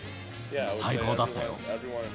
最高だったよ。